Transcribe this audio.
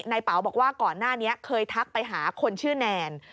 เป๋าบอกว่าก่อนหน้านี้เคยทักไปหาคนชื่อแนน